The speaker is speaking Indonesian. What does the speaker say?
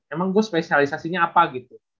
emang gue spesialisasinya apa gitu